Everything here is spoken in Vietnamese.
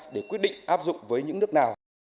để quyết định áp dụng với những nước nào